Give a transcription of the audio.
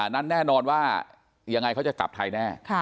แน่นอนว่ายังไงเขาจะกลับไทยแน่